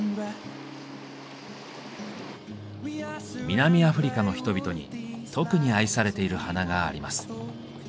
南アフリカの人々に特に愛されている花があります。